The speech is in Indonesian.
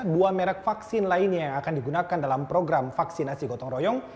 dua merek vaksin lainnya yang akan digunakan dalam program vaksinasi gotong royong